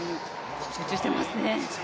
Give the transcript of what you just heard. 集中していますね。